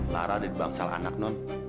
lara ada di bangsalanak non